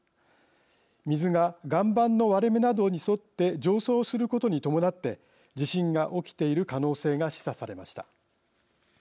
水が岩盤の割れ目などに沿って上層することに伴って地震が起きている可能性が示唆されました。